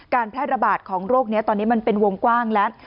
แพร่ระบาดของโรคนี้ตอนนี้มันเป็นวงกว้างแล้ว